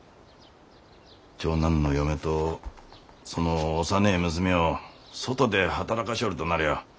長男の嫁とその幼え娘ょう外で働かしょおるとなりゃあ